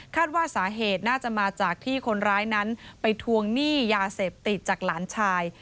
ว่าสาเหตุน่าจะมาจากที่คนร้ายนั้นไปทวงหนี้ยาเสพติดจากหลานชาย